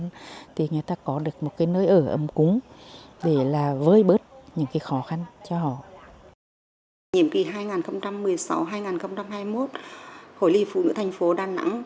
nhiệm kỳ hai nghìn một mươi sáu hai nghìn hai mươi một hội liên phụ nữ thành phố đà nẵng